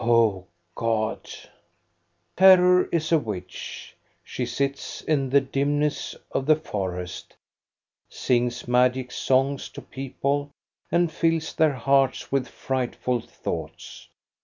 O God ! Terror is a witch. She sits in the dimness of the forest, sings magic songs to people, and fills their hearts with frightful thoughts.